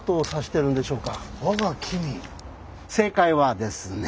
正解はですね